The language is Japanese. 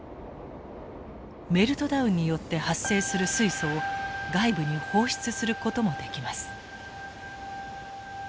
メルトダウンによって発生する水素を外部に放出することもできます。